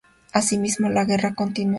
Asimismo, la guerra continuó.